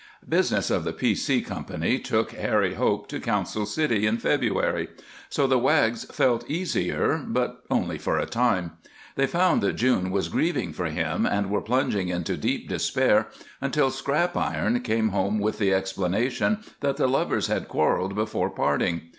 Business of the P. C. Company took Harry Hope to Council City in February; so the Wags felt easier but only for a time. They found that June was grieving for him, and were plunged into deep despair until Scrap Iron came home with the explanation that the lovers had quarreled before parting.